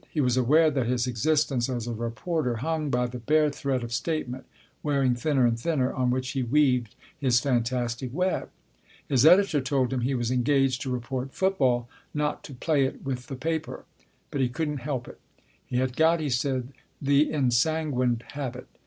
He was aware that his existence as a reporter hung by the bare thread of statement (wearing thinner and thinner) on which he weaved his fantastic web. His editor told him he was engaged to report football, not to play it with the paper. But he couldn't help it. He had got, he said, the ensanguined habit.